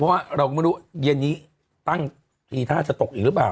เพราะว่าเราก็ไม่รู้เย็นนี้ตั้งทีท่าจะตกอีกหรือเปล่า